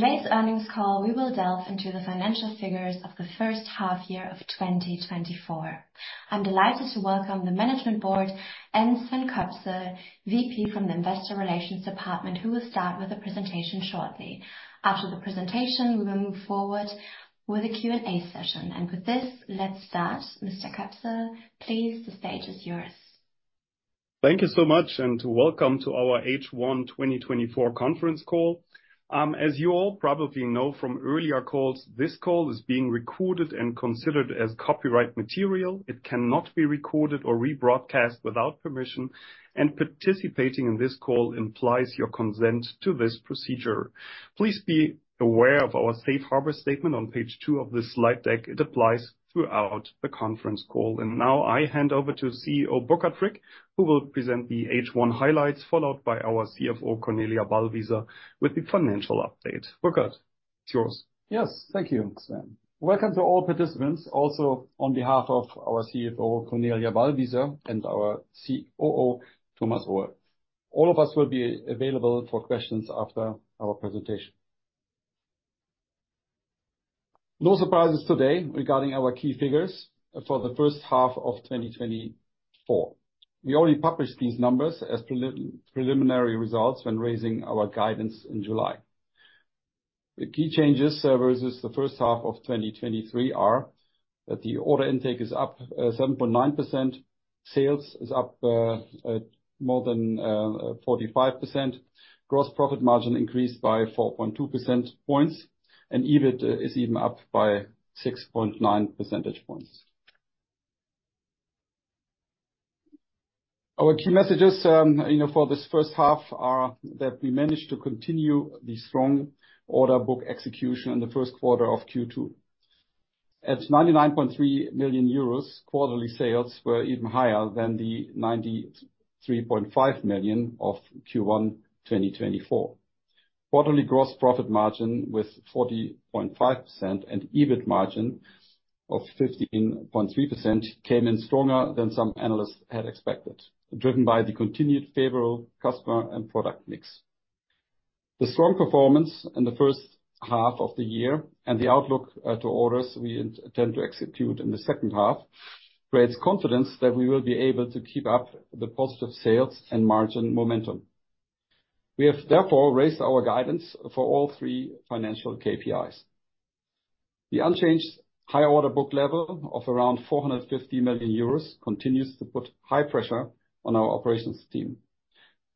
In today's earnings call, we will delve into the financial figures of the first half year of 2024. I'm delighted to welcome the management board and Sven Köpsel, VP from the investor relations department, who will start with a presentation shortly. After the presentation, we will move forward with a Q&A session. With this, let's start. Mr. Köpsel, please, the stage is yours. Thank you so much, and welcome to our H1 2024 conference call. As you all probably know from earlier calls, this call is being recorded and considered as copyright material. It cannot be recorded or rebroadcast without permission, and participating in this call implies your consent to this procedure. Please be aware of our safe harbor statement on page two of this slide deck. It applies throughout the conference call. Now, I hand over to CEO Burkhardt Frick, who will present the H1 highlights, followed by our CFO, Cornelia Ballwießer, with the financial update. Burkhardt, it's yours. Yes, thank you, Sven. Welcome to all participants, also on behalf of our CFO, Cornelia Ballwießer, and our COO, Thomas Rohe. All of us will be available for questions after our presentation. No surprises today regarding our key figures for the first half of 2024. We already published these numbers as preliminary results when raising our guidance in July. The key changes so versus the first half of 2023 are that the order intake is up 7.9%, sales is up more than 45%, gross profit margin increased by 4.2 percentage points, and EBIT is even up by 6.9 percentage points. Our key messages, you know, for this first half are that we managed to continue the strong order book execution in the first quarter of Q2. At 99.3 million euros, quarterly sales were even higher than the 93.5 million of Q1 2024. Quarterly gross profit margin with 40.5% and EBIT margin of 15.3% came in stronger than some analysts had expected, driven by the continued favorable customer and product mix. The strong performance in the first half of the year and the outlook to orders we intend to execute in the second half creates confidence that we will be able to keep up the positive sales and margin momentum. We have therefore raised our guidance for all three financial KPIs. The unchanged high order book level of around 450 million euros continues to put high pressure on our operations team.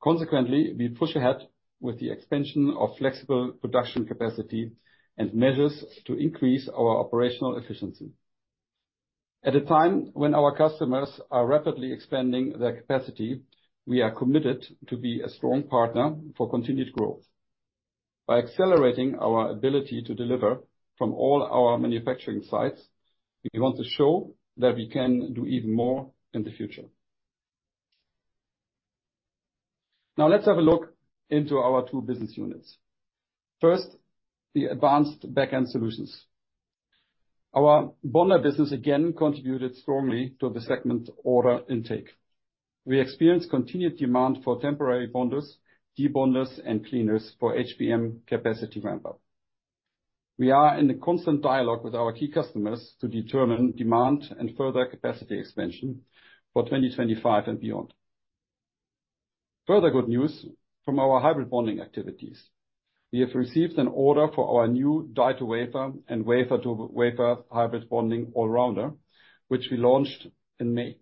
Consequently, we push ahead with the expansion of flexible production capacity and measures to increase our operational efficiency. At a time when our customers are rapidly expanding their capacity, we are committed to be a strong partner for continued growth. By accelerating our ability to deliver from all our manufacturing sites, we want to show that we can do even more in the future. Now let's have a look into our two business units. First, the Advanced Back-End Solutions. Our bonder business again contributed strongly to the segment order intake. We experienced continued demand for temporary bonders, debonders, and cleaners for HBM capacity ramp-up. We are in a constant dialogue with our key customers to determine demand and further capacity expansion for 2025 and beyond. Further good news from our hybrid bonding activities. We have received an order for our new die-to-wafer and wafer-to-wafer hybrid bonding all-rounder, which we launched in May.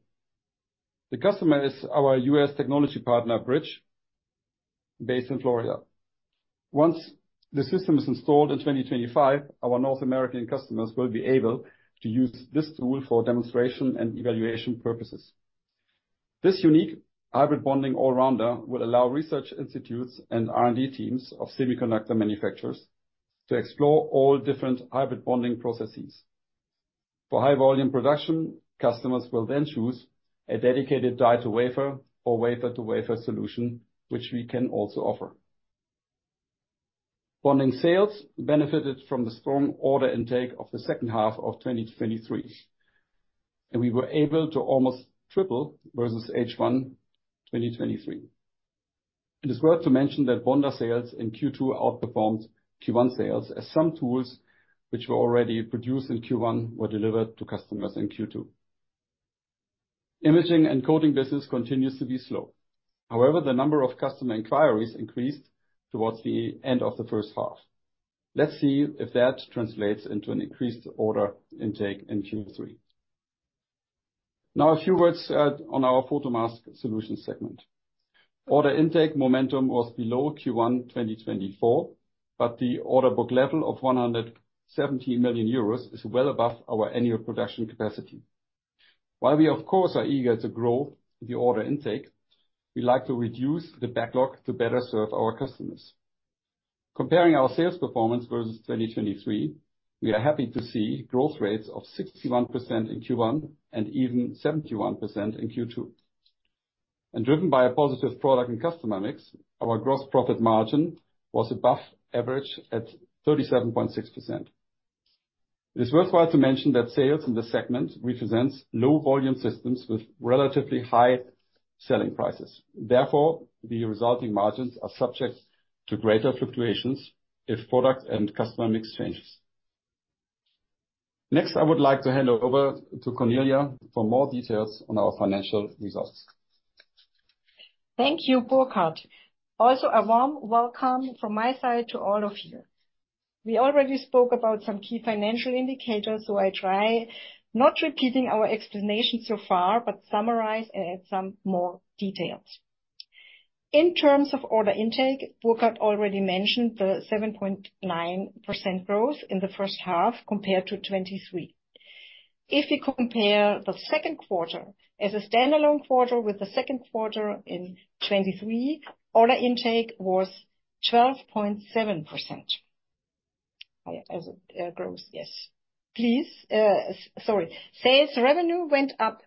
The customer is our US technology partner, BRIDG, based in Florida. Once the system is installed in 2025, our North American customers will be able to use this tool for demonstration and evaluation purposes. This unique hybrid bonding all-rounder will allow research institutes and R&D teams of semiconductor manufacturers to explore all different hybrid bonding processes. For high volume production, customers will then choose a dedicated die-to-wafer or wafer-to-wafer solution, which we can also offer. Bonding sales benefited from the strong order intake of the second half of 2023, and we were able to almost triple versus H1 2023. It is worth to mention that bonder sales in Q2 outperformed Q1 sales, as some tools which were already produced in Q1 were delivered to customers in Q2. Imaging and coating business continues to be slow. However, the number of customer inquiries increased towards the end of the first half. Let's see if that translates into an increased order intake in Q3. Now, a few words on our Photomask Solutions segment. Order intake momentum was below Q1 2024, but the order book level of 170 million euros is well above our annual production capacity. While we, of course, are eager to grow the order intake, we'd like to reduce the backlog to better serve our customers. Comparing our sales performance versus 2023, we are happy to see growth rates of 61% in Q1, and even 71% in Q2. And driven by a positive product and customer mix, our gross profit margin was above average at 37.6%. It is worthwhile to mention that sales in this segment represents low volume systems with relatively high selling prices. Therefore, the resulting margins are subject to greater fluctuations if product and customer mix changes. Next, I would like to hand over to Cornelia for more details on our financial results. Thank you, Burkhardt. Also, a warm welcome from my side to all of you. We already spoke about some key financial indicators, so I try not repeating our explanation so far, but summarize and add some more details. In terms of order intake, Burkhardt already mentioned the 7.9% growth in the first half compared to 2023. If we compare the second quarter as a standalone quarter with the second quarter in 2023, order intake was 12.7%. As it grows, yes. Please, sorry. Sales revenue went up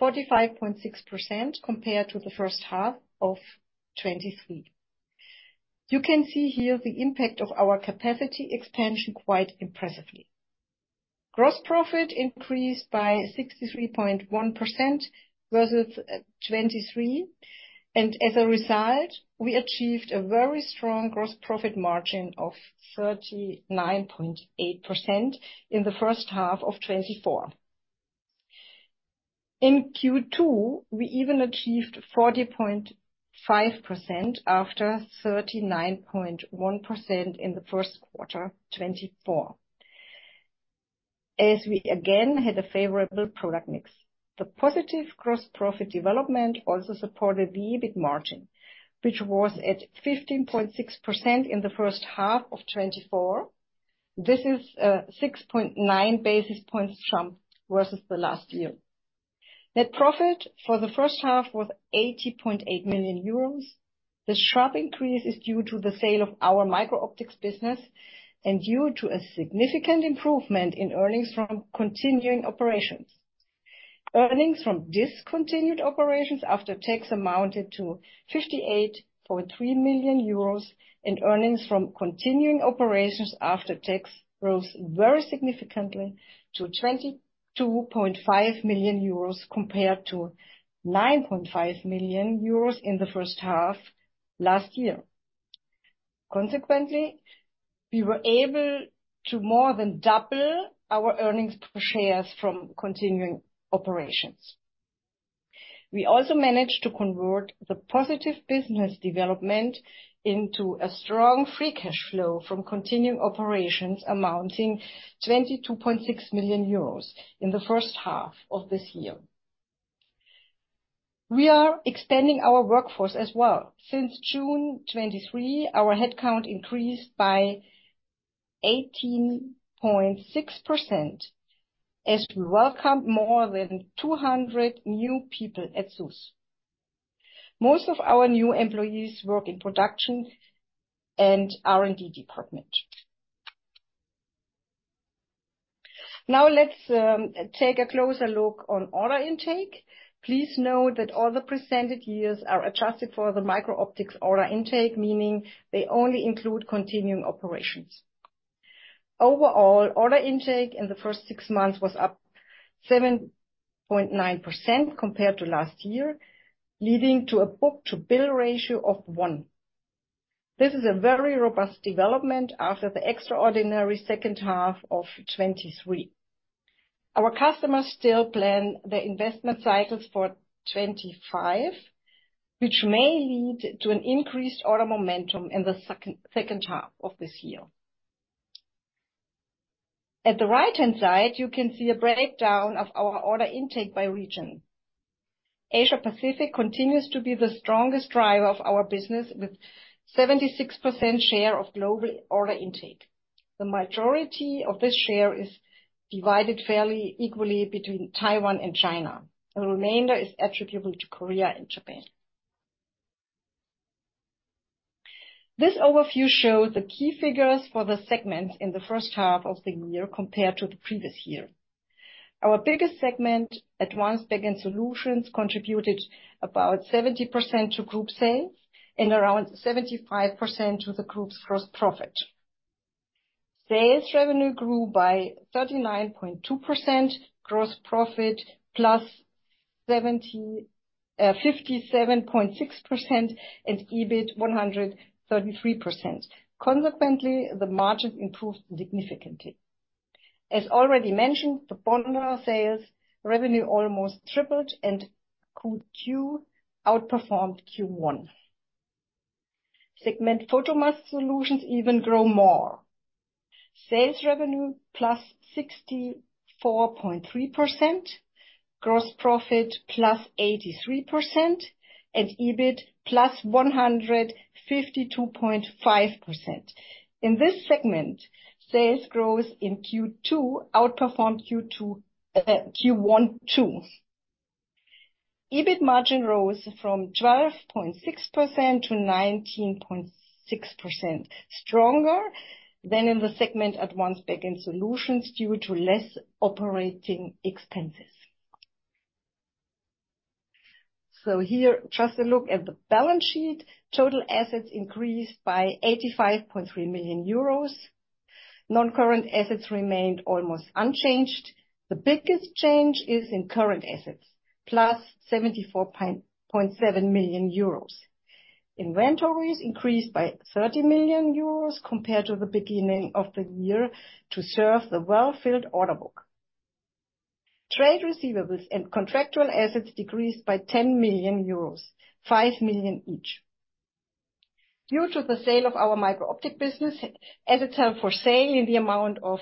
45.6% compared to the first half of 2023. You can see here the impact of our capacity expansion quite impressively. Gross profit increased by 63.1% versus 2023, and as a result, we achieved a very strong gross profit margin of 39.8% in the first half of 2024. In Q2, we even achieved 40.5% after 39.1% in the first quarter 2024, as we again had a favorable product mix. The positive gross profit development also supported the EBIT margin, which was at 15.6% in the first half of 2024. This is six point nine basis points jump versus the last year. Net profit for the first half was 80.8 million euros. The sharp increase is due to the sale of our MicroOptics business and due to a significant improvement in earnings from continuing operations. Earnings from discontinued operations after tax amounted to 58.3 million euros, and earnings from continuing operations after tax rose very significantly to 22.5 million euros, compared to 9.5 million euros in the first half last year. Consequently, we were able to more than double our earnings per shares from continuing operations. We also managed to convert the positive business development into a strong free cash flow from continuing operations, amounting to 22.6 million euros in the first half of this year. We are extending our workforce as well. Since June 2023, our head count increased by 18.6%, as we welcomed more than 200 new people at SÜSS MicroTec. Most of our new employees work in production and R&D department. Now, let's take a closer look on order intake. Please note that all the presented years are adjusted for the MicroOptics order intake, meaning they only include continuing operations. Overall, order intake in the first six months was up 7.9% compared to last year, leading to a book-to-bill ratio of one. This is a very robust development after the extraordinary second half of 2023. Our customers still plan their investment cycles for 2025, which may lead to an increased order momentum in the second, second half of this year. At the right-hand side, you can see a breakdown of our order intake by region. Asia Pacific continues to be the strongest driver of our business, with 76% share of global order intake. The majority of this share is divided fairly equally between Taiwan and China. The remainder is attributable to Korea and Japan. This overview shows the key figures for the segment in the first half of the year compared to the previous year. Our biggest segment, Advanced Back-End Solutions, contributed about 70% to group sales and around 75% to the group's gross profit. Sales revenue grew by 39.2%, gross profit +57.6%, and EBIT +133%. Consequently, the margin improved significantly. As already mentioned, the bonder sales revenue almost tripled and Q2 outperformed Q1. Segment Photomask Solutions even grow more. Sales revenue +64.3%, gross profit +83%, and EBIT +152.5%. In this segment, sales growth in Q2 outperformed Q1 too. EBIT margin rose from 12.6% to 19.6%, stronger than in the segment Advanced Back-End Solutions, due to less operating expenses. So here, just a look at the balance sheet. Total assets increased by 85.3 million euros. Non-current assets remained almost unchanged. The biggest change is in current assets, +74.7 million euros. Inventories increased by 30 million euros compared to the beginning of the year to serve the well-filled order book. Trade receivables and contractual assets decreased by 10 million euros, 5 million each. Due to the sale of our MicroOptics business, assets held for sale in the amount of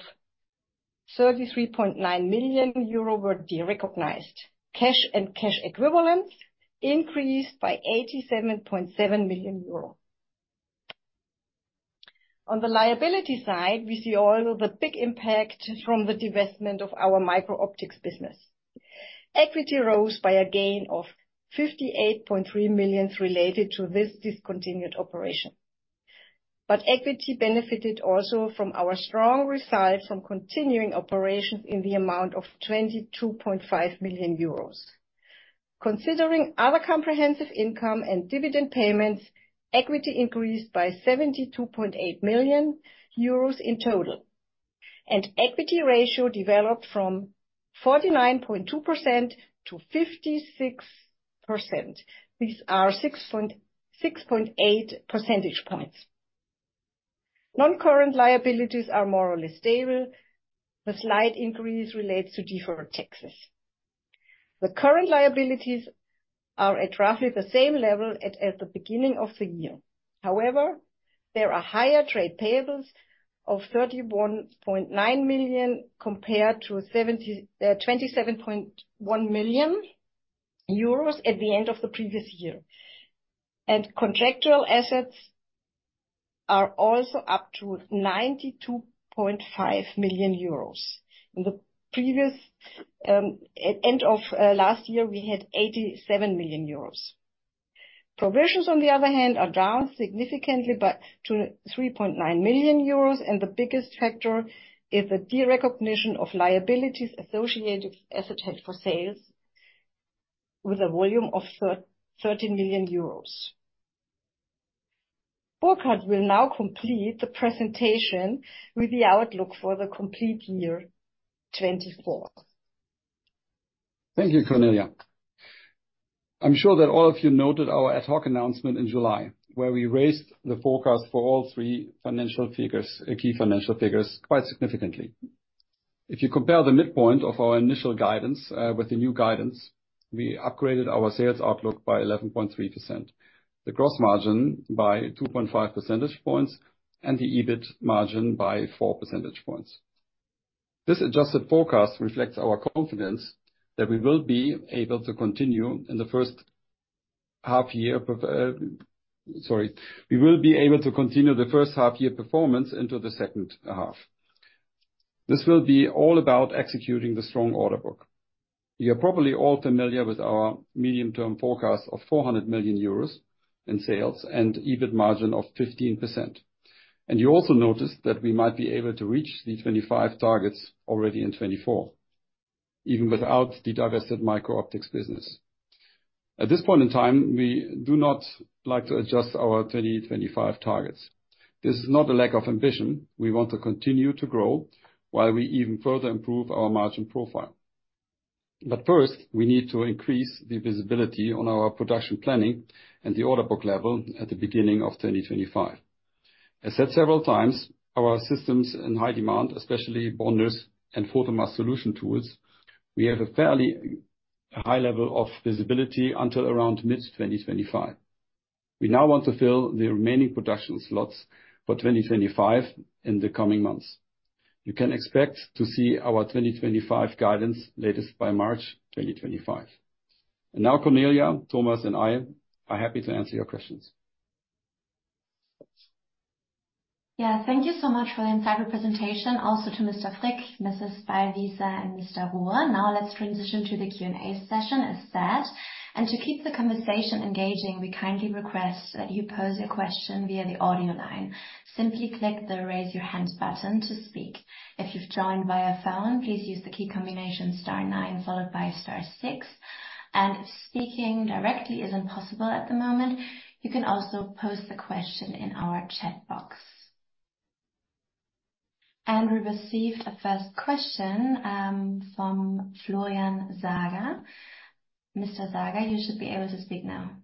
33.9 million euro were derecognized. Cash and cash equivalents increased by 87.7 million euro. On the liability side, we see all the big impact from the divestment of our MicroOptics business. Equity rose by a gain of 58.3 million related to this discontinued operation. But equity benefited also from our strong results from continuing operations in the amount of 22.5 million euros. Considering other comprehensive income and dividend payments, equity increased by 72.8 million euros in total, and equity ratio developed from 49.2% to 56%. These are 6.6 percentage points. Non-current liabilities are more or less stable. The slight increase relates to deferred taxes. The current liabilities are at roughly the same level at as the beginning of the year. However, there are higher trade payables of 31.9 million compared to 27.1 million euros at the end of the previous year. And contractual assets are also up to 92.5 million euros. In the previous, at end of last year, we had 87 million euros. Provisions, on the other hand, are down significantly to 3.9 million euros, and the biggest factor is the derecognition of liabilities associated with assets held for sales with a volume of 13 million euros. Burkhardt will now complete the presentation with the outlook for the full year 2024. Thank you, Cornelia. I'm sure that all of you noted our ad hoc announcement in July, where we raised the forecast for all three financial figures, key financial figures, quite significantly. If you compare the midpoint of our initial guidance, with the new guidance, we upgraded our sales outlook by 11.3%, the gross margin by 2.5 percentage points, and the EBIT margin by 4 percentage points. This adjusted forecast reflects our confidence that we will be able to continue in the first half year, sorry. We will be able to continue the first half year performance into the second, half. This will be all about executing the strong order book. You're probably all familiar with our medium-term forecast of 400 million euros in sales and EBIT margin of 15%. You also noticed that we might be able to reach the 25 targets already in 2024, even without the divested MicroOptics business. At this point in time, we do not like to adjust our 2025 targets. This is not a lack of ambition. We want to continue to grow while we even further improve our margin profile. But first, we need to increase the visibility on our production planning and the order book level at the beginning of 2025. I said several times, our systems in high demand, especially bonders and Photomask Solutions tools, we have a fairly high level of visibility until around mid-2025. We now want to fill the remaining production slots for 2025 in the coming months. You can expect to see our 2025 guidance latest by March 2025. Now, Cornelia, Thomas, and I are happy to answer your questions. Yeah, thank you so much for the insightful presentation, also to Mr. Frick, Mrs. Ballwießer, and Mr. Rohe. Now, let's transition to the Q&A session as said, and to keep the conversation engaging, we kindly request that you pose a question via the audio line. Simply click the Raise Your Hand button to speak. If you've joined via phone, please use the key combination star nine followed by star six. And if speaking directly isn't possible at the moment, you can also post the question in our chat box. And we received a first question from Florian Sager. Mr. Sager, you should be able to speak now.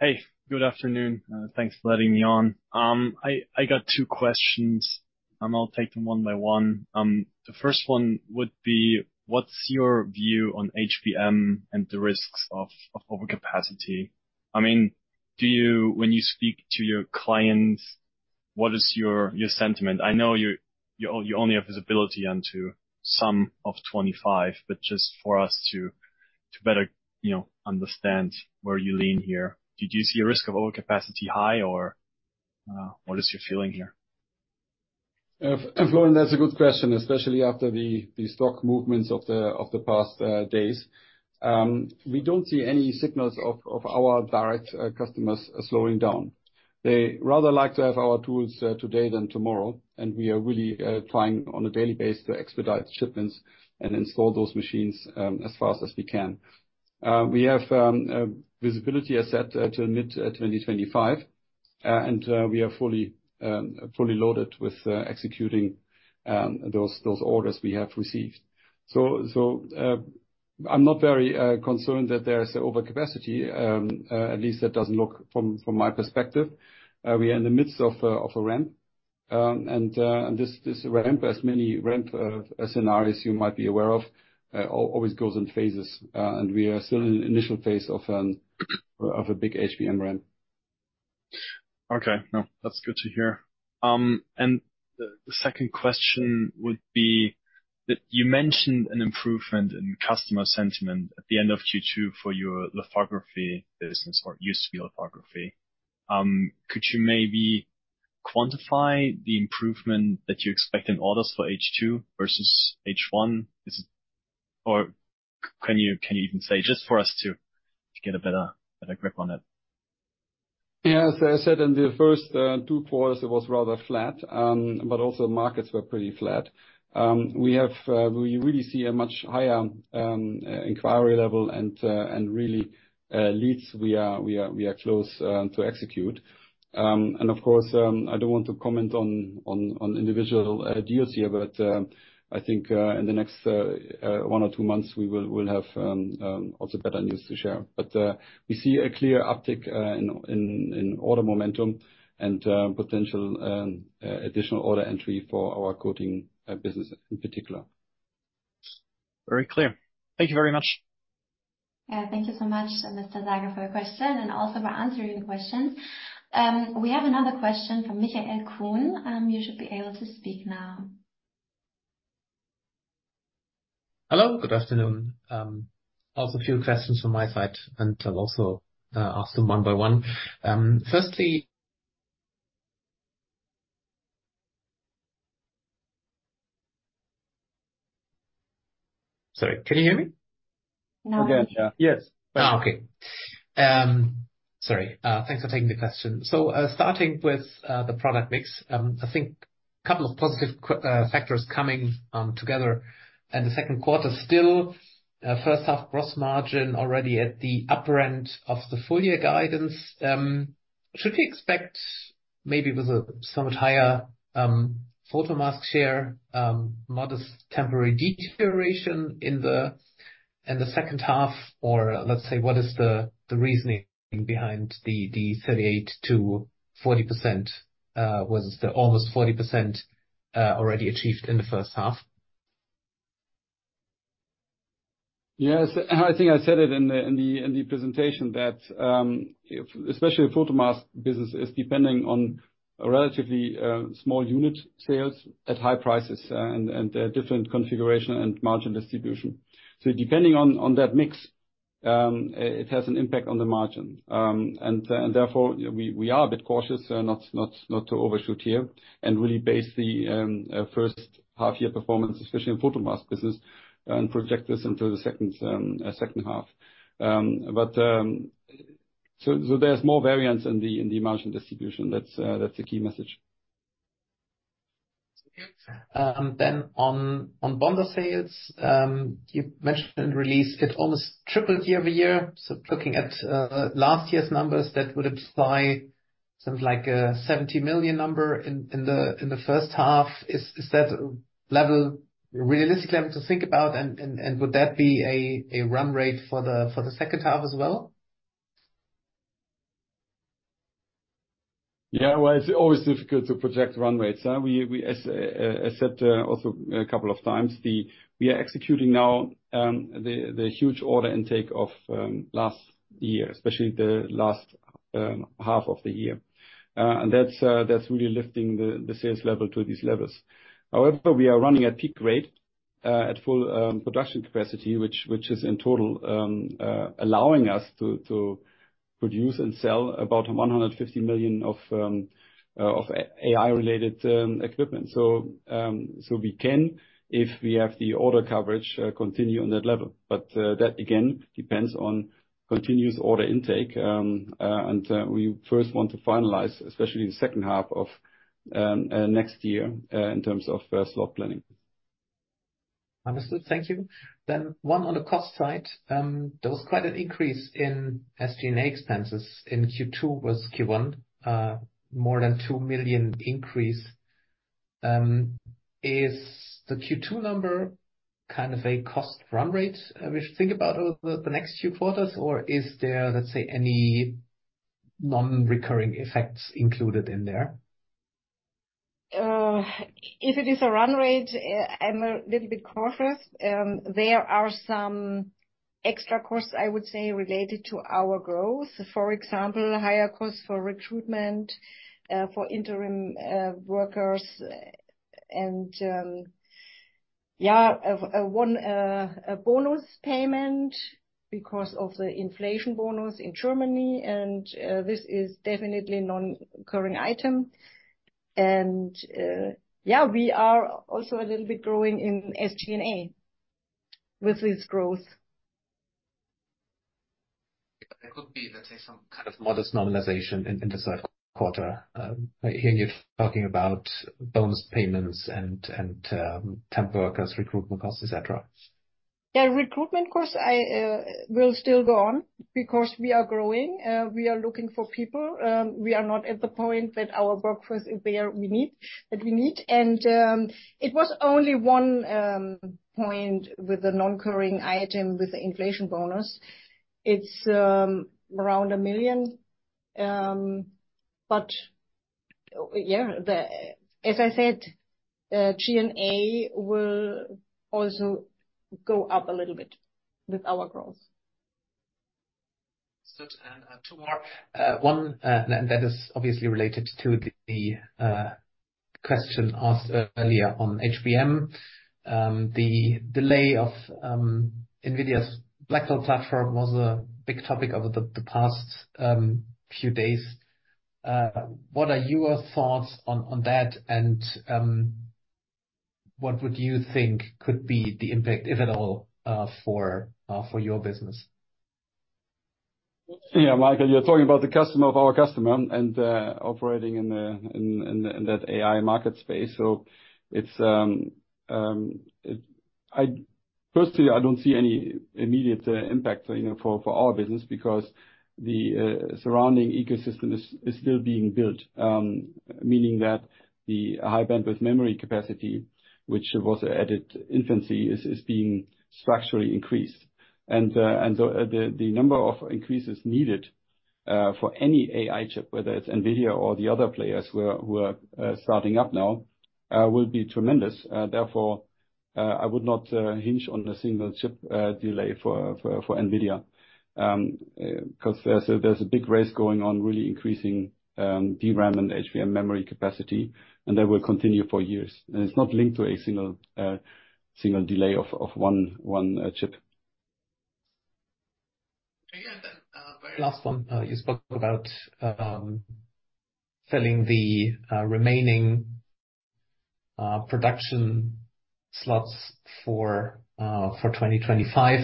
Hey, good afternoon. Thanks for letting me on. I got two questions, and I'll take them one by one. The first one would be: What's your view on HBM and the risks of overcapacity? I mean, do you... When you speak to your clients, what is your sentiment? I know you only have visibility onto some of 2025, but just for us to better, you know, understand where you lean here. Did you see a risk of overcapacity high, or what is your feeling here? Florian, that's a good question, especially after the stock movements of the past days. We don't see any signals of our direct customers slowing down. They rather like to have our tools today than tomorrow, and we are really trying on a daily basis to expedite shipments and install those machines as fast as we can. We have a visibility asset to mid-2025, and we are fully loaded with executing those orders we have received. So, I'm not very concerned that there is overcapacity, at least that doesn't look from my perspective. We are in the midst of a ramp, and this ramp, as many ramp scenarios you might be aware of, always goes in phases, and we are still in the initial phase of a big HBM ramp. Okay. No, that's good to hear. And the second question would be that you mentioned an improvement in customer sentiment at the end of Q2 for your lithography business or use of your lithography. Could you maybe quantify the improvement that you expect in orders for H2 versus H1? Or can you even say, just for us to get a better grip on it? Yeah, as I said, in the first 2 quarters, it was rather flat, but also markets were pretty flat. We really see a much higher inquiry level and really leads we are close to execute. And of course, I don't want to comment on individual deals here, but I think in the next 1 or 2 months, we'll have also better news to share. But we see a clear uptick in order momentum and potential additional order entry for our coating business in particular. Very clear. Thank you very much. Thank you so much, Mr. Sager, for your question, and also for answering the questions. We have another question from Michael Kuhn. You should be able to speak now. Hello, good afternoon. Also a few questions from my side, and I'll also ask them one by one. Firstly... Sorry, can you hear me? Now we- Yeah. Yes. Ah, okay. Sorry, thanks for taking the question. So, starting with the product mix, I think couple of positive factors coming together in the second quarter. Still, first half gross margin already at the upper end of the full year guidance. Should we expect maybe with a somewhat higher photomask share, modest temporary deterioration in the second half? Or let's say, what is the reasoning behind the 38%-40%, was the almost 40% already achieved in the first half? Yes, I think I said it in the presentation, that if especially photomask business is depending on a relatively small unit sales at high prices, and a different configuration and margin distribution. So depending on that mix, it has an impact on the margin. And therefore, we are a bit cautious, not to overshoot here, and really base the first half year performance, especially in photomask business, and project this into the second half. But so there's more variance in the margin distribution. That's the key message. Then on bonder sales, you mentioned in the release it almost tripled year-over-year. So looking at last year's numbers, that would imply something like a 70 million number in the first half. Is that level realistically level to think about, and would that be a run rate for the second half as well? Yeah, well, it's always difficult to project run rates, huh? We, as I said also a couple of times, we are executing now the huge order intake of last year, especially the last half of the year. And that's really lifting the sales level to these levels. However, we are running at peak rate at full production capacity, which is in total allowing us to produce and sell about 150 million of AI-related equipment. So we can, if we have the order coverage, continue on that level. But that again depends on continuous order intake, and we first want to finalize, especially the second half of next year, in terms of slot planning. Understood. Thank you. Then one on the cost side, there was quite an increase in SG&A expenses in Q2 versus Q1, more than 2 million increase. Is the Q2 number kind of a cost run rate we should think about over the next few quarters? Or is there, let's say, any non-recurring effects included in there? If it is a run rate, I'm a little bit cautious. There are some extra costs, I would say, related to our growth. For example, higher costs for recruitment, for interim workers, and one, a bonus payment because of the inflation bonus in Germany, and this is definitely non-recurring item. We are also a little bit growing in SG&A with this growth.... But there could be, let's say, some kind of modest normalization in the third quarter. I hear you talking about bonus payments and temp workers, recruitment costs, et cetera. Yeah, recruitment costs, I will still go on because we are growing. We are looking for people. We are not at the point that our workforce is where we need. It was only one point with the non-recurring item with the inflation bonus. It's around 1 million. As I said, G&A will also go up a little bit with our growth. Good. And, two more. One, that is obviously related to the question asked earlier on HBM. The delay of NVIDIA's Blackwell platform was a big topic over the past few days. What are your thoughts on that? And, what would you think could be the impact, if at all, for your business? Yeah, Michael, you're talking about the customer of our customer, and operating in, in that AI market space. So it's... Personally, I don't see any immediate impact, you know, for our business, because the surrounding ecosystem is still being built. Meaning that the high bandwidth memory capacity, which was at its infancy, is being structurally increased. And so the number of increases needed for any AI chip, whether it's NVIDIA or the other players who are starting up now, will be tremendous. Therefore, I would not hinge on a single chip delay for NVIDIA. 'Cause there's a big race going on, really increasing DRAM and HBM memory capacity, and that will continue for years. It's not linked to a single delay of one chip. Yeah, and then, last one. You spoke about selling the remaining production slots for 2025.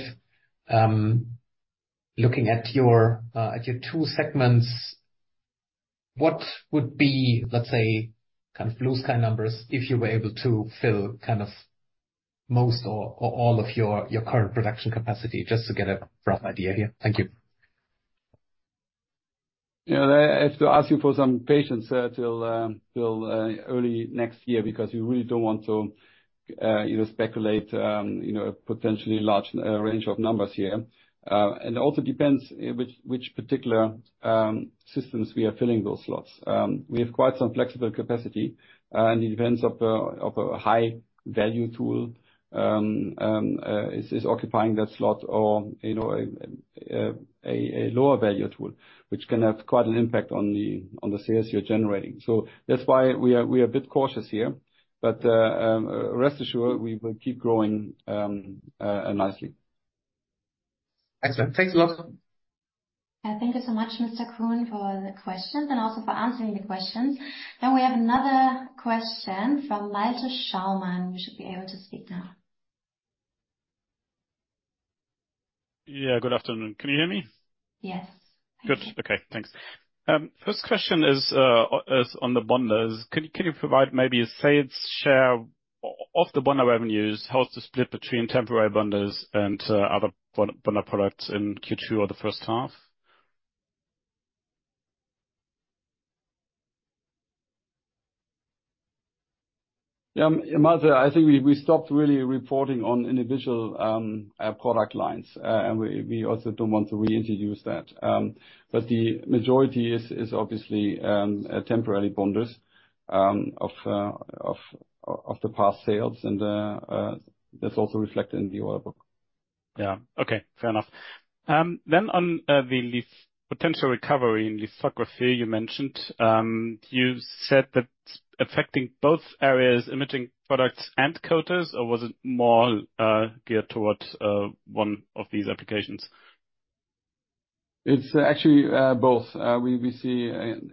Looking at your two segments, what would be, let's say, kind of blue sky numbers, if you were able to fill kind of most or all of your current production capacity, just to get a rough idea here? Thank you. Yeah, I have to ask you for some patience till early next year, because we really don't want to, you know, speculate, you know, a potentially large range of numbers here. And it also depends which particular systems we are filling those slots. We have quite some flexible capacity in advance of a high value tool is occupying that slot or, you know, a lower value tool, which can have quite an impact on the sales you're generating. So that's why we are a bit cautious here, but rest assured, we will keep growing nicely. Excellent. Thanks a lot. Thank you so much, Mr. Kuhn, for the questions and also for answering the questions. We have another question from Malte Schaumann. You should be able to speak now. Yeah, good afternoon. Can you hear me? Yes. Good. Okay, thanks. First question is on the bonders. Can you provide maybe a sales share of the bonder revenues? How is the split between temporary bonders and other bonder products in Q2 or the first half? Yeah, Malte, I think we stopped really reporting on individual product lines. And we also don't want to reintroduce that. But the majority is obviously temporary bonders of the past sales, and that's also reflected in the order book. Yeah. Okay. Fair enough. Then on the potential recovery in lithography you mentioned, you said that's affecting both areas, imaging products and coaters, or was it more geared towards one of these applications? It's actually both. We see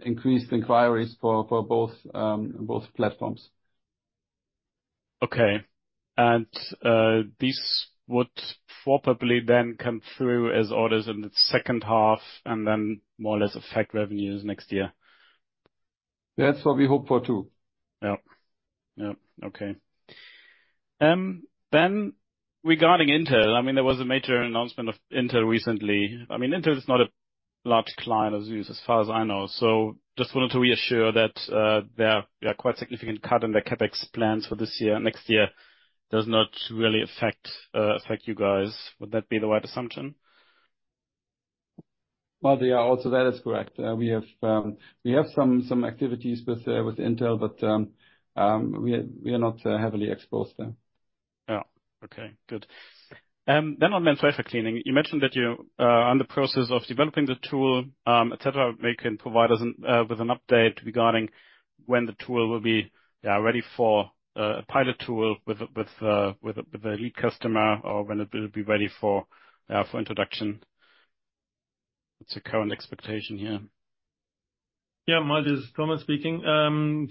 increased inquiries for both platforms. Okay. And, this would probably then come through as orders in the second half and then more or less affect revenues next year? That's what we hope for, too. Yeah. Yeah. Okay. Then regarding Intel, I mean, there was a major announcement of Intel recently. I mean, Intel is not a large client of SÜSS, as far as I know, so just wanted to reassure that their quite significant cut in their CapEx plans for this year, next year does not really affect you guys. Would that be the right assumption? Well, yeah, also that is correct. We have some activities with Intel, but we are not heavily exposed there. Yeah. Okay, good. Then on MEMS wafer cleaning, you mentioned that you're on the process of developing the tool, et cetera. Maybe you can provide us with an update regarding when the tool will be ready for a pilot tool with the lead customer, or when it will be ready for introduction. What's the current expectation here?... Yeah, Malte, this is Thomas speaking.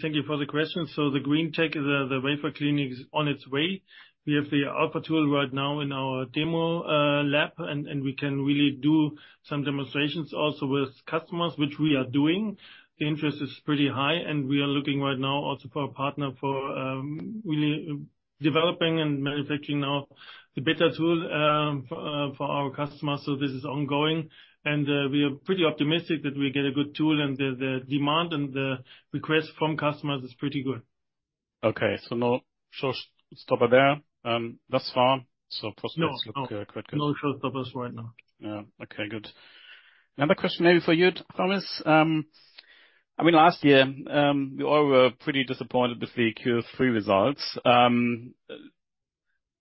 Thank you for the question. So the green tech, the wafer cleaning is on its way. We have the alpha tool right now in our demo lab, and we can really do some demonstrations also with customers, which we are doing. The interest is pretty high, and we are looking right now also for a partner for really developing and manufacturing now the better tool for our customers. So this is ongoing, and we are pretty optimistic that we get a good tool, and the demand and the request from customers is pretty good. Okay, so no showstopper there, thus far, so prospects- No. Look, quite good. No showstoppers right now. Yeah. Okay, good. Another question maybe for you, Thomas. I mean, last year, we all were pretty disappointed with the Q3 results.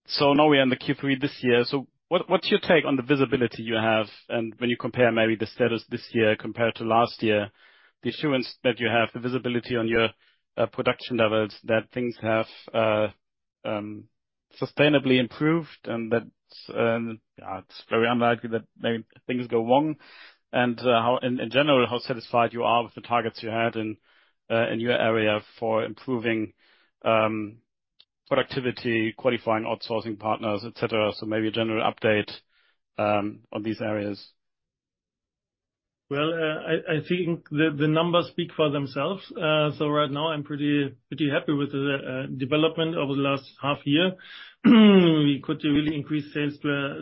So now we're in the Q3 this year, so what, what's your take on the visibility you have, and when you compare maybe the status this year compared to last year, the assurance that you have, the visibility on your production levels, that things have sustainably improved, and that it's very unlikely that many things go wrong? And, how... In general, how satisfied you are with the targets you had in your area for improving productivity, qualifying outsourcing partners, et cetera. So maybe a general update on these areas. Well, I think the numbers speak for themselves. So right now I'm pretty happy with the development over the last half year. We could really increase sales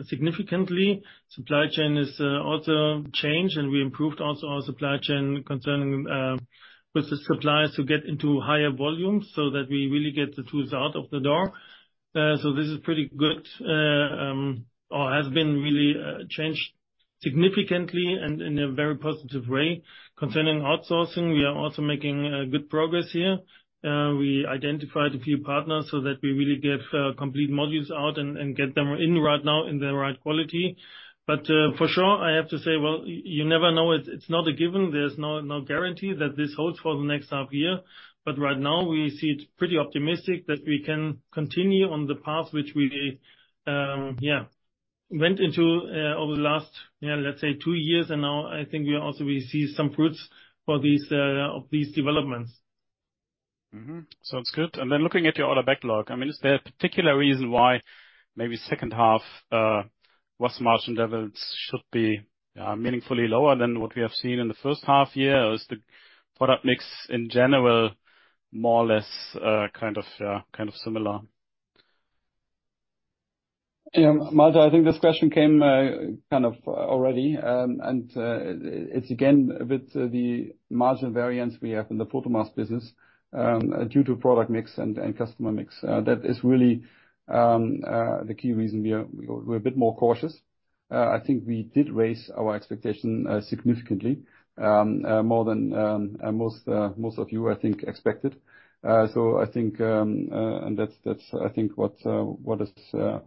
significantly. Supply chain is also changed, and we improved also our supply chain concerning with the suppliers to get into higher volumes, so that we really get the tools out of the door. So this is pretty good, or has been really changed significantly and in a very positive way. Concerning outsourcing, we are also making good progress here. We identified a few partners so that we really get complete modules out and get them in right now in the right quality. But for sure, I have to say, well, you never know, it's not a given. There's no, no guarantee that this holds for the next half year. But right now, we see it pretty optimistic that we can continue on the path which we went into over the last, let's say two years. And now I think we also see some fruits of these developments. Mm-hmm. Sounds good. And then looking at your order backlog, I mean, is there a particular reason why maybe second half, gross margin levels should be, meaningfully lower than what we have seen in the first half year? Or is the product mix, in general, more or less, kind of, kind of similar? Yeah, Malte, I think this question came kind of already, and it's again, with the margin variance we have in the Photomask business, due to product mix and customer mix. That is really the key reason we're a bit more cautious. I think we did raise our expectation significantly more than most of you, I think, expected. So I think, and that's, I think, what was the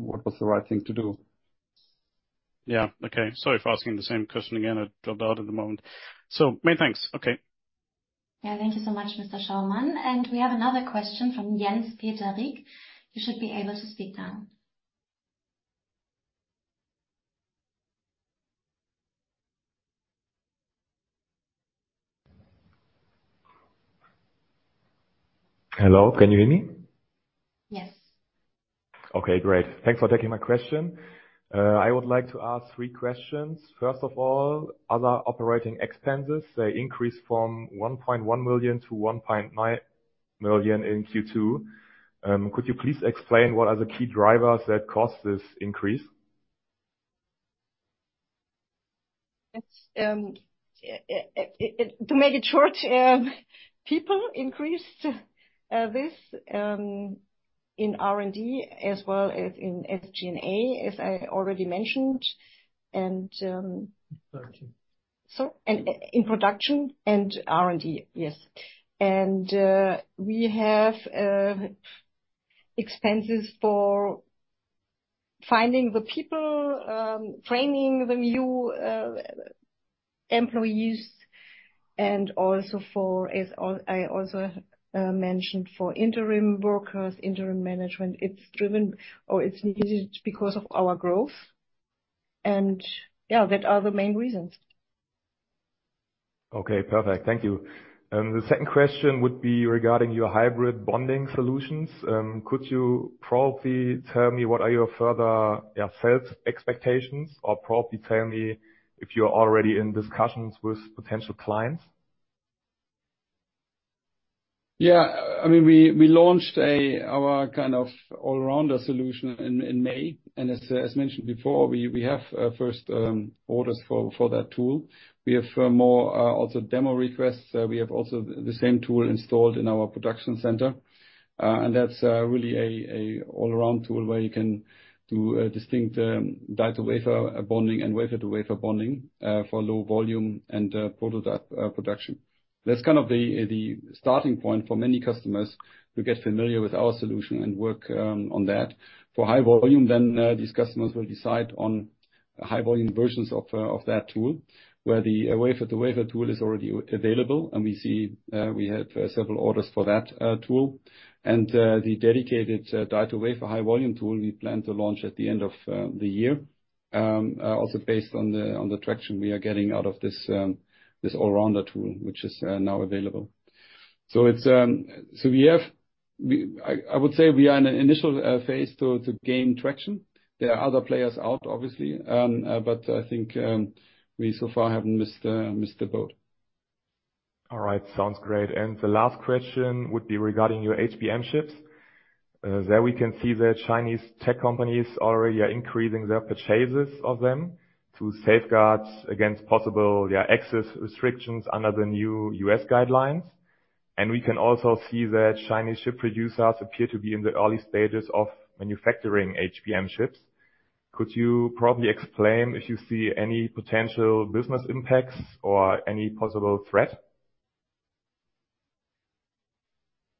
right thing to do. Yeah. Okay. Sorry for asking the same question again. It dropped out at the moment. So many thanks. Okay. Yeah, thank you so much, Mr. Schaumann. We have another question from Jens-Peter Rieck. You should be able to speak now. Hello, can you hear me? Yes. Okay, great. Thanks for taking my question. I would like to ask three questions. First of all, other operating expenses, they increased from 1.1 million - 1.9 million in Q2. Could you please explain what are the key drivers that caused this increase? It's to make it short, people increased this in R&D, as well as in SG&A, as I already mentioned. And, Production. Sorry? In production and R&D, yes. And we have expenses for finding the people, training the new employees, and also for, as I also mentioned, for interim workers, interim management. It's driven or it's needed because of our growth. And yeah, that are the main reasons. Okay, perfect. Thank you. The second question would be regarding your hybrid bonding solutions. Could you probably tell me what are your further sales expectations, or probably tell me if you're already in discussions with potential clients? Yeah, I mean, we launched our kind of all-rounder solution in May. And as mentioned before, we have first orders for that tool. We have more also demo requests. We have also the same tool installed in our production center. And that's really a all-around tool where you can do distinct die to wafer bonding and wafer to wafer bonding for low volume and prototype production. That's kind of the starting point for many customers to get familiar with our solution and work on that. For high volume, then, these customers will decide on high volume versions of that tool, where the wafer to wafer tool is already available, and we see we have several orders for that tool. The dedicated die-to-wafer high-volume tool, we plan to launch at the end of the year. Also based on the traction we are getting out of this all-rounder tool, which is now available. So we are in an initial phase to gain traction. There are other players out, obviously, but I think we so far haven't missed the boat. All right. Sounds great. And the last question would be regarding your HBM chips. There we can see that Chinese tech companies already are increasing their purchases of them to safeguard against possible, yeah, excess restrictions under the new U.S. guidelines. And we can also see that Chinese chip producers appear to be in the early stages of manufacturing HBM chips. Could you probably explain if you see any potential business impacts or any possible threat?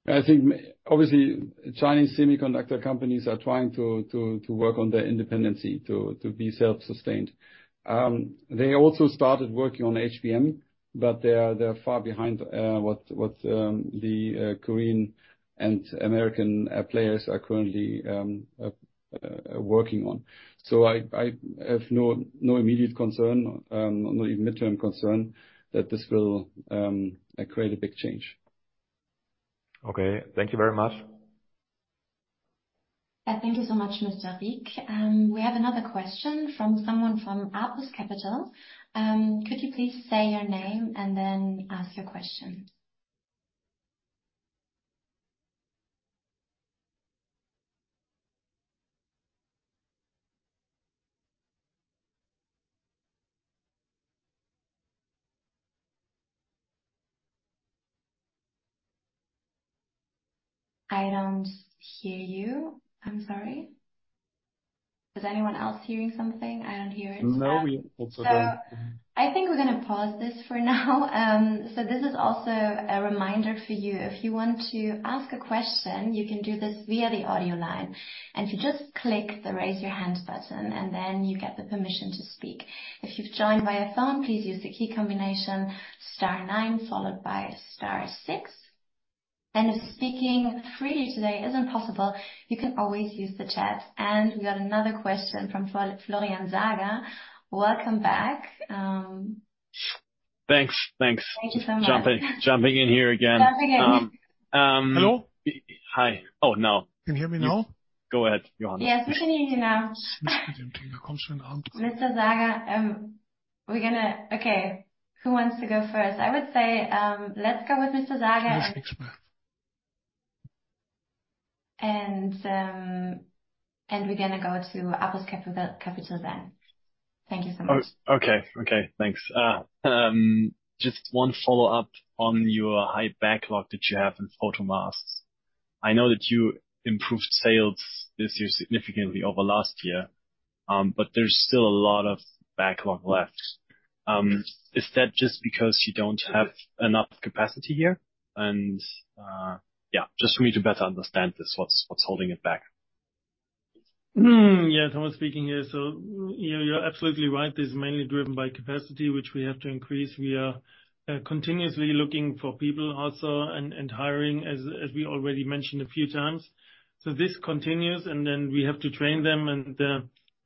I think, obviously, Chinese semiconductor companies are trying to work on their independence, to be self-sustained. They also started working on HBM, but they are far behind what the Korean and American players are currently working on. So I have no immediate concern, or even medium-term concern that this will create a big change. Okay. Thank you very much. Thank you so much, Mr. Rieck. We have another question from someone from Apus Capital. Could you please say your name and then ask your question? I don't hear you. I'm sorry. Is anyone else hearing something? I don't hear it. No, we also don't. So I think we're gonna pause this for now. So this is also a reminder for you. If you want to ask a question, you can do this via the audio line. And if you just click the Raise Your Hand button, and then you get the permission to speak. If you've joined via phone, please use the key combination star nine followed by star six. And if speaking freely today isn't possible, you can always use the chat. And we got another question from Florian Sager. Welcome back. Thanks. Thanks. Thank you so much. Jumping in here again. Jumping in. Um- Hello? Hi. Oh, now. Can you hear me now? Go ahead, Johannes. Yes, we can hear you now. Mr. Sager, we're gonna... Okay, who wants to go first? I would say, let's go with Mr. Sager. And, and we're gonna go to Apus Capital then. Thank you so much. Okay. Okay, thanks. Just one follow-up on your high backlog that you have in photomasks. I know that you improved sales this year significantly over last year, but there's still a lot of backlog left. Is that just because you don't have enough capacity here? Yeah, just for me to better understand this, what's holding it back? Hmm. Yeah, Thomas speaking here. So you, you're absolutely right. This is mainly driven by capacity, which we have to increase. We are continuously looking for people also and hiring, as we already mentioned a few times. So this continues, and then we have to train them, and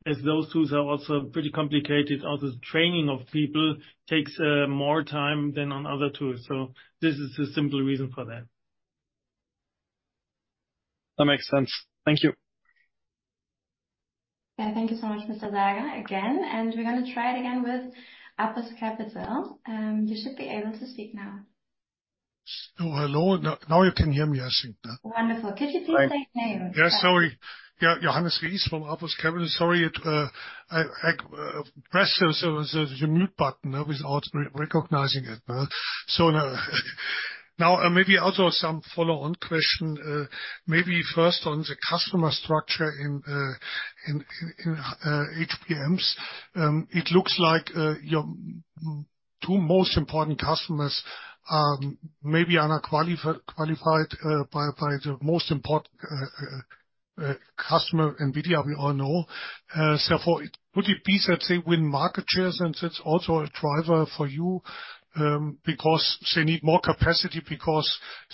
as those tools are also pretty complicated, also training of people takes more time than on other tools. So this is the simple reason for that. That makes sense. Thank you. Yeah. Thank you so much, Mr. Sager, again, and we're gonna try it again with Apus Capital. You should be able to speak now. Oh, hello. Now, now you can hear me, I think, yeah. Wonderful. Could you please say your name? Yeah, sorry. Yeah, Johannes Ries from Apus Capital. Sorry, I pressed the mute button without re-recognizing it. So now, maybe also some follow-on question, maybe first on the customer structure in HBMs. It looks like your two most important customers maybe are not qualified by the most important customer, NVIDIA, we all know. So for... Could it be that they win market shares, and that's also a driver for you, because they need more capacity, because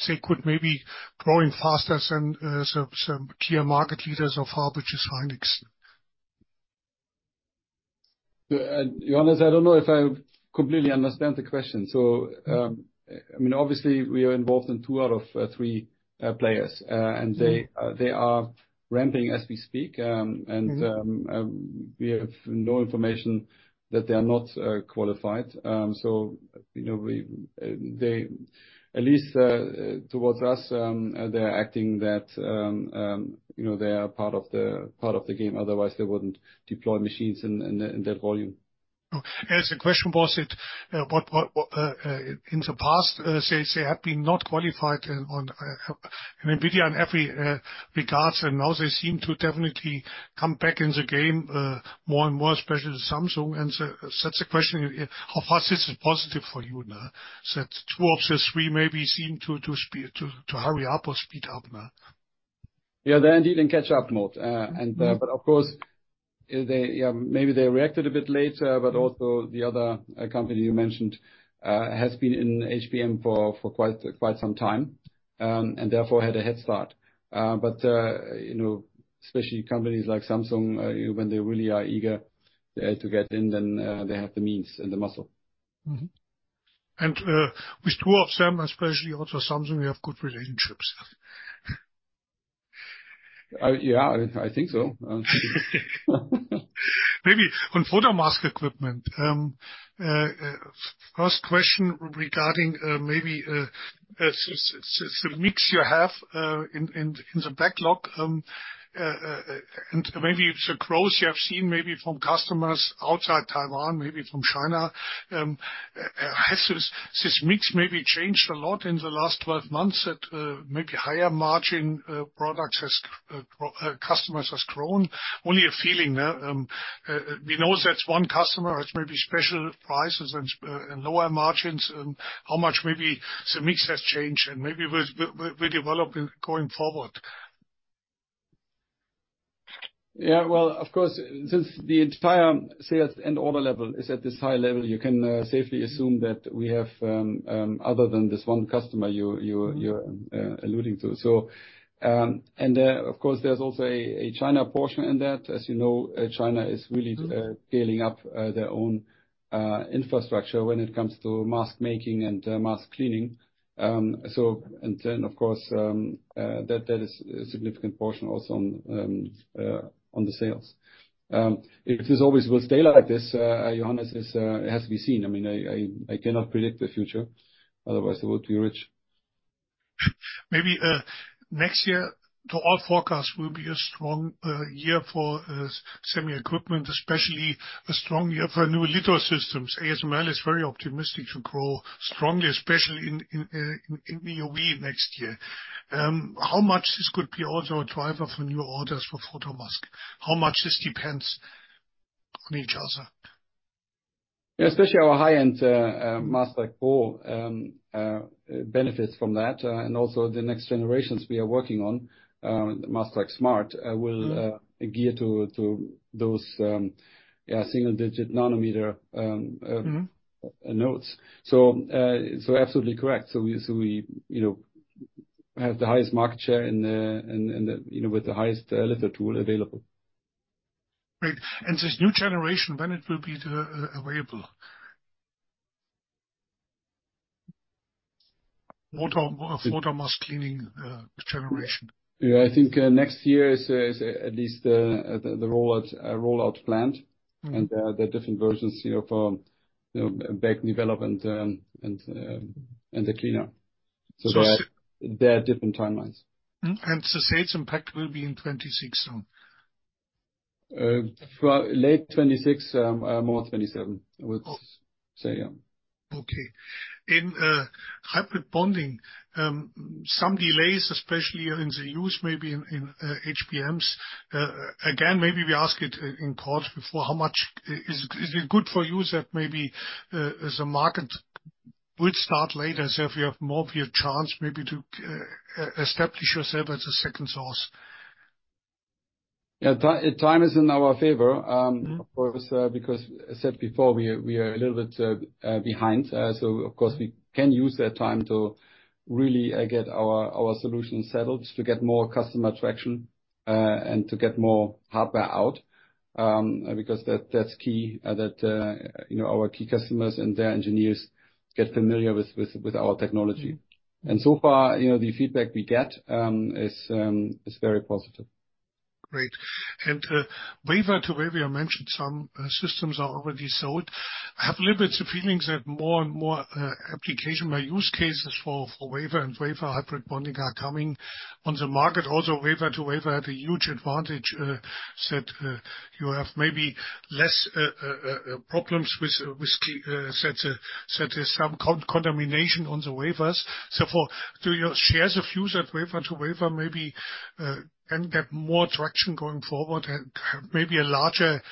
they could maybe growing faster than some key market leaders of ours, which is SK Hynix? Johannes, I don't know if I completely understand the question. So, I mean, obviously, we are involved in two out of three players. And they are ramping as we speak, and we have no information that they are not qualified. So you know, we, they are, at least, towards us, they're acting that, you know, they are part of the game, otherwise they wouldn't deploy machines in that volume. Oh, and the question was that, in the past, they have been not qualified on NVIDIA in every regards, and now they seem to definitely come back in the game, more and more, especially Samsung. And so that's the question, how far this is positive for you now, that two out of three maybe seem to hurry up or speed up now? Yeah, they're indeed in catch-up mode. But of course, they maybe reacted a bit later, but also the other company you mentioned has been in HBM for quite some time and therefore had a head start. But you know, especially companies like Samsung, when they really are eager to get in, then they have the means and the muscle. Mm-hmm. And with two of them, especially also Samsung, we have good relationships. Yeah, I think so. Maybe on photomask equipment, first question regarding the mix you have in the backlog. And maybe the growth you have seen, maybe from customers outside Taiwan, maybe from China. Has this mix maybe changed a lot in the last 12 months, that maybe higher margin products has customers has grown? Only a feeling, we know that one customer has maybe special prices and lower margins, and how much maybe the mix has changed, and maybe will develop going forward. Yeah, well, of course, since the entire sales and order level is at this high level, you can safely assume that we have other than this one customer you're alluding to. So, and then, of course, there's also a China portion in that. As you know, China is really- Mm-hmm... scaling up their own infrastructure when it comes to mask making and mask cleaning. So, and then, of course, that is a significant portion also on the sales. If this always will stay like this, Johannes, it has to be seen. I mean, I cannot predict the future, otherwise I would be rich. Maybe next year, to all forecasts, will be a strong year for semi equipment, especially a strong year for new litho systems. ASML is very optimistic to grow strongly, especially in EUV next year. How much this could be also a driver for new orders for photomask? How much this depends on each other? Especially our high-end MaskTrack Pro benefits from that, and also the next generations we are working on, MaskTrack Smart, will- Mm-hmm... gear to, to those, yeah, single-digit nanometer Mm-hmm... nodes. So, so absolutely correct. So we, so we, you know, have the highest market share in the, in, in the, you know, with the highest, litho tool available. Great. And this new generation, when it will be available? Photomask cleaning generation. Yeah, I think next year is at least the rollout planned. Mm-hmm. The different versions, you know, for, you know, back development and the cleaner. So it's- There are different timelines. Mm, and the sales impact will be in 2026, then? For late 2026, more 2027, I would say, yeah. Okay. In hybrid bonding, some delays, especially in the use, maybe in HBMs. Again, maybe we ask it in calls before, how much is it good for you that maybe the market would start later, so if you have more of your chance maybe to establish yourself as a second source? Yeah, time is in our favor. Mm-hmm... of course, because I said before, we are a little bit behind. So of course, we can use that time to really get our solution settled, to get more customer traction, and to get more hardware out. Because that's key, you know, our key customers and their engineers get familiar with our technology. And so far, you know, the feedback we get is very positive. Great. And, wafer-to-wafer, you mentioned some systems are already sold. I have a little bit the feelings that more and more application by use cases for wafer and wafer hybrid bonding are coming on the market. Also, wafer-to-wafer had a huge advantage that you have maybe less problems with key that that is some contamination on the wafers. So, do you share the view that wafer-to-wafer maybe can get more traction going forward and maybe a larger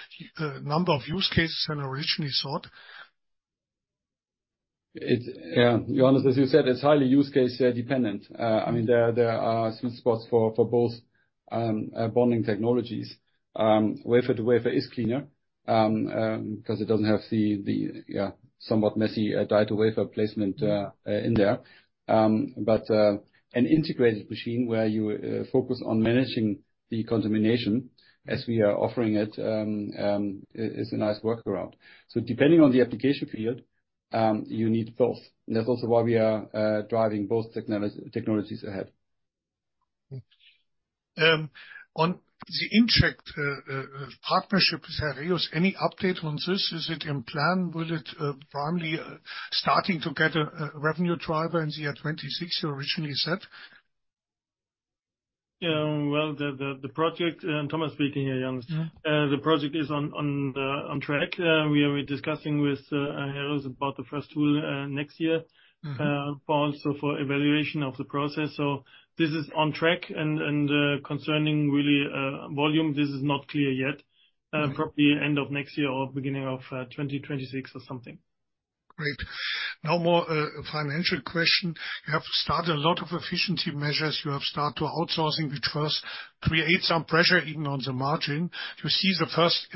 number of use cases than originally thought? It's, Johannes, as you said, it's highly use case dependent. I mean, there are sweet spots for both bonding technologies. Wafer-to-wafer is cleaner because it doesn't have the somewhat messy die-to-wafer placement in there. But an integrated machine, where you focus on managing the contamination as we are offering it, is a nice workaround. So depending on the application field, you need both, and that's also why we are driving both technologies ahead. On the inkjet partnership with Heraeus, any update on this? Is it in plan? Will it finally starting to get a revenue driver in the year 2026, you originally said? Well, the project, Thomas speaking here, Johannes. Mm-hmm. The project is on track. We are discussing with Heraeus about the first tool next year- Mm-hmm... but also for evaluation of the process. So this is on track, and concerning really volume, this is not clear yet. Mm-hmm. Probably end of next year or beginning of 2026 or something. Great. Now more financial question. You have started a lot of efficiency measures. You have started to outsourcing, which first create some pressure even on the margin. You see the first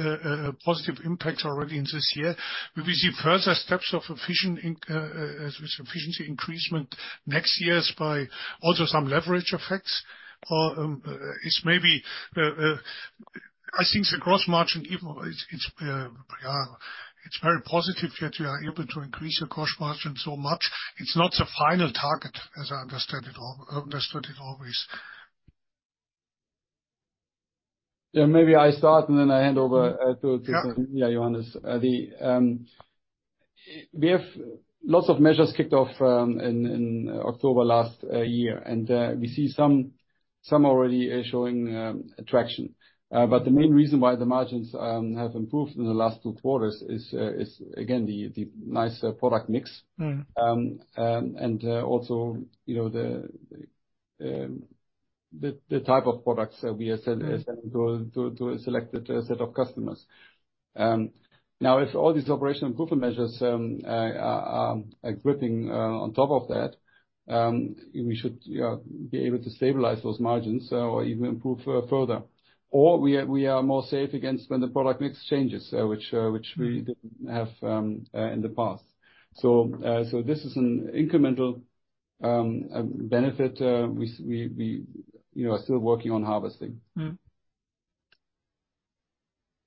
positive impacts already in this year. Will we see further steps of efficiency increasement next years by also some leverage effects? Or, it's maybe... I think the gross margin, even though it's yeah, it's very positive that you are able to increase your gross margin so much. It's not the final target, as I understand it all—understood it always. Yeah, maybe I start, and then I hand over to... Yeah. Yeah, Johannes. We have lots of measures kicked off in October last year, and we see some already is showing traction. But the main reason why the margins have improved in the last two quarters is again the nice product mix. Mm. And also, you know, the type of products that we are selling to a selected set of customers. Now, if all these operational improvement measures are gripping, on top of that, we should be able to stabilize those margins, or even improve further. Or we are more safe against when the product mix changes, which we didn't have in the past. So this is an incremental benefit, you know, we are still working on harvesting. Mm.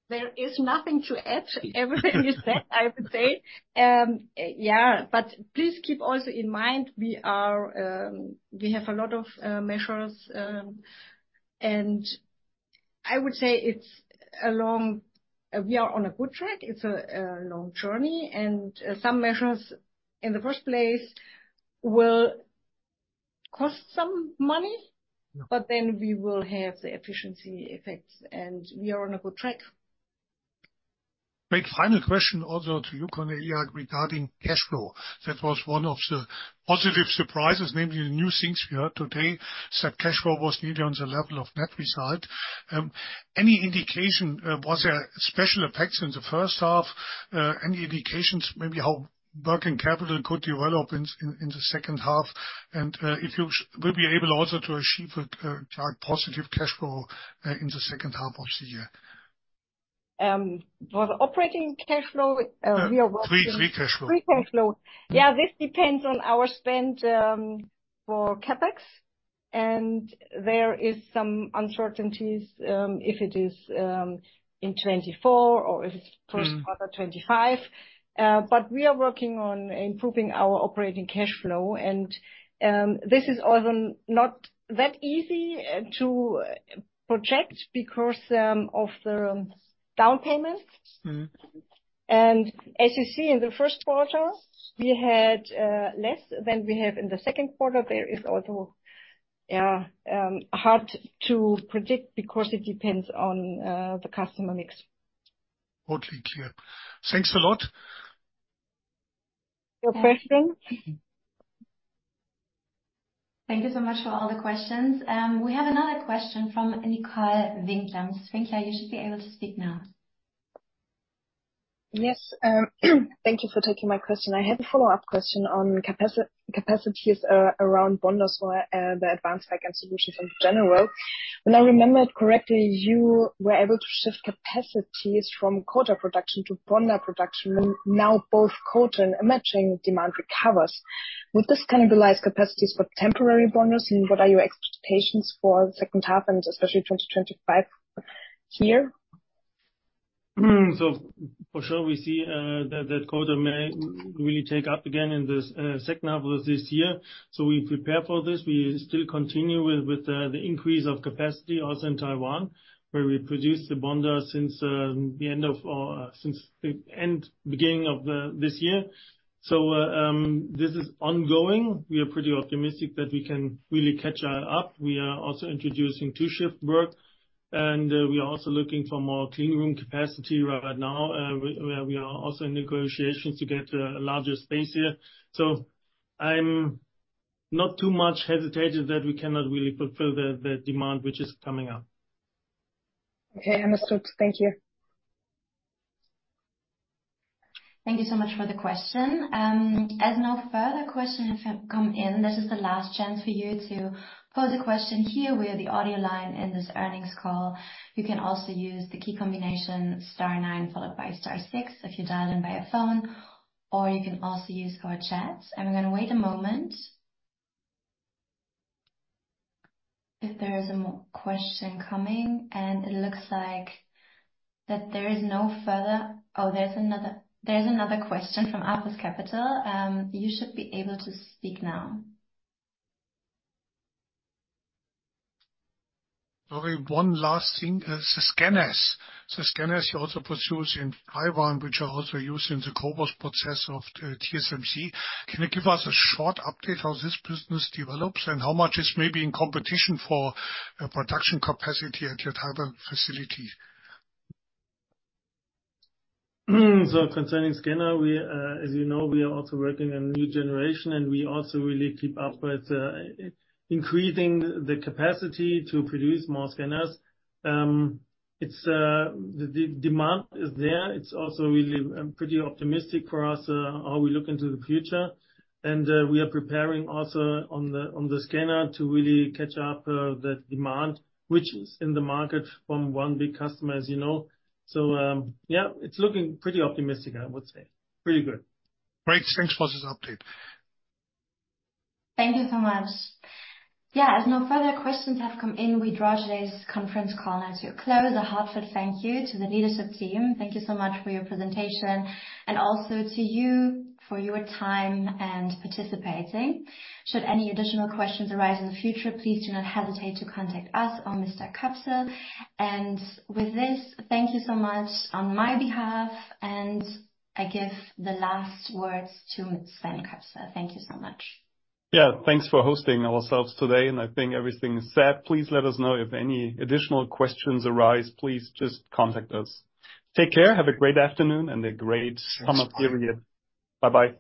There is nothing to add. Everything is said, I would say. Yeah, but please keep also in mind, we are, we have a lot of measures, and I would say we are on a good track. It's a long journey, and some measures, in the first place, will cost some money? Yeah. But then we will have the efficiency effects, and we are on a good track. Great. Final question, also to you, Cornelia, regarding cash flow. That was one of the positive surprises, maybe the new things we heard today, that cash flow was nearly on the level of net result. Any indication, was there special effects in the first half? Any indications maybe how working capital could develop in the second half, and if you will be able also to achieve a positive cash flow in the second half of the year? For the operating cash flow, we are working- Free cash flow. Free cash flow. Mm. Yeah, this depends on our spend for CapEx, and there is some uncertainties if it is in 2024 or if it's first- Mm... quarter 2025. But we are working on improving our operating cash flow, and this is also not that easy to project because of the down payments. Mm. As you see, in the first quarter, we had less than we have in the second quarter. There is also hard to predict because it depends on the customer mix. Totally clear. Thanks a lot. No question? Thank you so much for all the questions. We have another question from Nicole Winkler. Ms. Winkler, you should be able to speak now. Yes, thank you for taking my question. I had a follow-up question on capacities around bonder, so the advanced packaging solutions in general. When I remember it correctly, you were able to shift capacities from coater production to bonder production, and now both coater and matching demand recovers. Would this cannibalize capacities for temporary bonders, and what are your expectations for the second half and especially 2025 year? So for sure, we see that coater may really take up again in this second half of this year, so we prepare for this. We still continue with the increase of capacity also in Taiwan, where we produce the bonder since the beginning of this year. So this is ongoing. We are pretty optimistic that we can really catch that up. We are also introducing two-shift work, and we are also looking for more clean room capacity right now, where we are also in negotiations to get a larger space here. So I'm not too much hesitated that we cannot really fulfill the demand which is coming up. Okay, understood. Thank you. Thank you so much for the question. As no further questions have come in, this is the last chance for you to pose a question here. We are the audio line in this earnings call. You can also use the key combination star nine followed by star six if you dial in by a phone, or you can also use our chat. I'm gonna wait a moment. If there is a question coming, and it looks like that there is no further. Oh, there's another, there's another question from Apus Capital. You should be able to speak now. Only one last thing, the scanners. The scanners you also produce in Taiwan, which are also used in the CoWoS process of, TSMC. Can you give us a short update how this business develops, and how much is maybe in competition for, production capacity at your Taiwan facility? So concerning scanner, we, as you know, we are also working on new generation, and we also really keep up with increasing the capacity to produce more scanners. It's the demand is there. It's also really pretty optimistic for us how we look into the future. And we are preparing also on the scanner to really catch up the demand, which is in the market from one big customer, as you know. So yeah, it's looking pretty optimistic, I would say. Pretty good. Great. Thanks for this update. Thank you so much. Yeah, as no further questions have come in, we draw today's conference call as we close. A heartfelt thank you to the leadership team. Thank you so much for your presentation, and also to you for your time and participating. Should any additional questions arise in the future, please do not hesitate to contact us or Mr. Köpsel. And with this, thank you so much on my behalf, and I give the last words to Sven Köpsel. Thank you so much. Yeah, thanks for hosting ourselves today, and I think everything is set. Please let us know if any additional questions arise. Please just contact us. Take care. Have a great afternoon and a great summer period. Bye-bye.